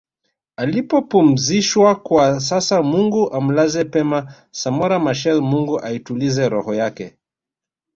alipopumzishwakwa sasa Mungu amlaze pema Samora Machel Mungu aitulize roho yake